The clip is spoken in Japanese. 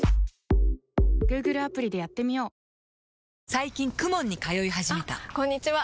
最近 ＫＵＭＯＮ に通い始めたあこんにちは！